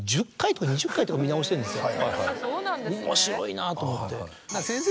面白いなと思って。